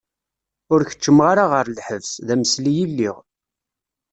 Ur keččmeɣ ara ɣer lḥebs, d amelsi i lliɣ.